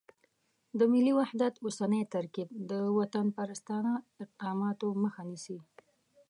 د ملي وحدت اوسنی ترکیب د وطنپرستانه اقداماتو مخه نیسي.